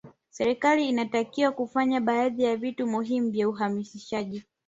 serikali inatakiwa kufanya baadhi ya vitu muhimu vya uhamasishaji